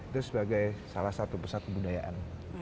itu sebagai salah satu pusat kebudayaan